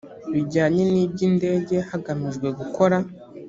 bijyanye n iby indege hagamijwe gukora